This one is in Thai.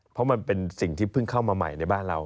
เพราะมันเป็นสิ่งที่เพิ่งเข้ามาใหม่ในบ้านเรา